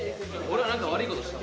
俺ら何か悪いことした？